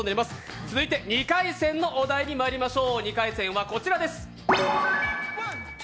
続いて２回戦のお題にまいりましょう。